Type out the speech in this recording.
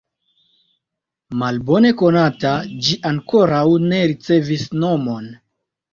Malbone konata, ĝi ankoraŭ ne ricevis nomon.